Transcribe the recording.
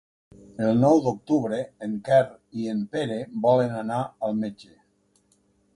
El nou d'octubre en Quer i en Pere volen anar al metge.